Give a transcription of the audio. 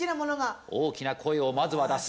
大きな声をまずは出す。